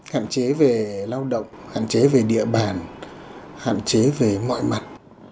hạn chế về lao động hạn chế về địa bàn hạn chế về mọi mặt